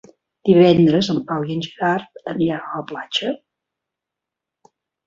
Divendres en Pau i en Gerard aniran a la platja.